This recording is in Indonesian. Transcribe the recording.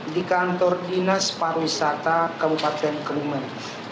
di kantor dinas pariwisata kabupaten kelumen